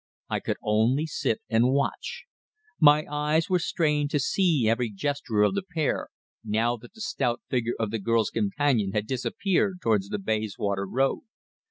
I could only sit and watch. My eyes were strained to see every gesture of the pair, now that the stout figure of the girl's companion had disappeared towards the Bayswater Road.